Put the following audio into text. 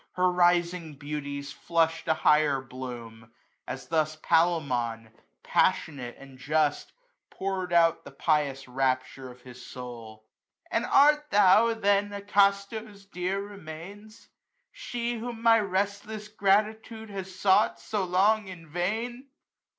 Her rising beauties flushed a higher bloom, /^/ As thus Palemon, passionate, and just, ^^^^ PourM out the pious rapture of his soul :And art thou then Acasto's dear remains ? 265 She, whom my restless gratitude has sought,* So long in vain